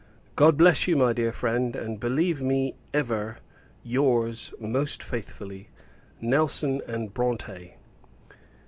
God bless you, my dear friend; and believe me, ever, your's most faithfully, NELSON & BRONTE.